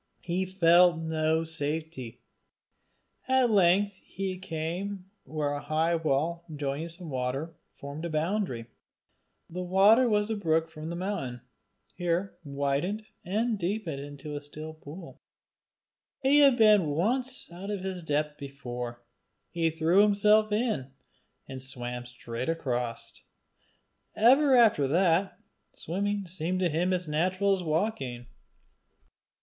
He felt no safety. At length he came where a high wall joining some water formed a boundary. The water was a brook from the mountain, here widened and deepened into a still pool. He had been once out of his depth before: he threw himself in, and swam straight across: ever after that, swimming seemed to him as natural as walking.